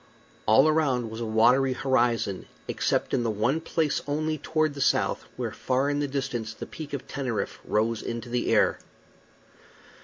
All around was a watery horizon, except in the one place only, toward the south, where far in the distance the Peak of Teneriffe rose into the air.